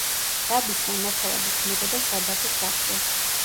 დაბის სამართავად იქმნებოდა სადაბო საბჭო.